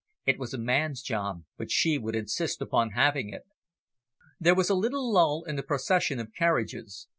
It was a man's job, but she would insist upon having it." There was a little lull in the procession of carriages.